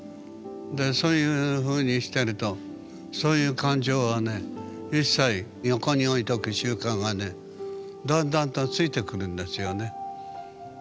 でそういうふうにしてるとそういう感情はね一切横に置いとく習慣がねだんだんとついてくるんですよね。